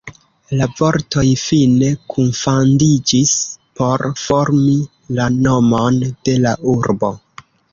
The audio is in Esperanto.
La vortoj fine kunfandiĝis por formi la nomon de la urbo.